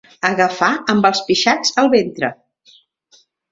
Agafar amb els pixats al ventre.